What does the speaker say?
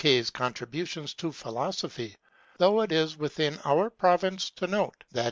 's contributions to philosophy ; though it is within our province to note that hi.